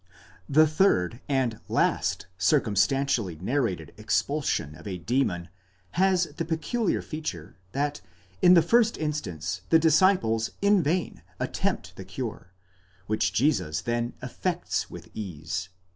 The third and last circumstantially narrated expulsion of a demon has the peculiar feature, that in the first instance the disciples in vain attempt the cure, which Jesus then effects with ease.